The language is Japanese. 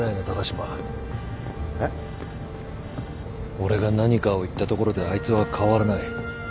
俺が何かを言ったところであいつは変わらない。